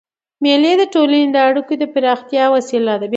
مېلې د ټولني د اړیکو د پراختیا وسیله ده.